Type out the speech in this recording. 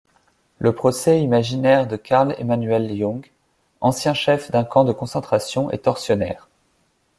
Le procès imaginaire de Carl-Emmanuel Jung, ancien chef d'un camp de concentration et tortionnaire.